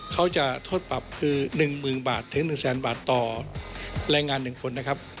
เขาจะธตปรับคือ๑๐๐๐๐บาทถึง๑๐๐๐๐๐บาทต่อแรงงานหนึ่งคน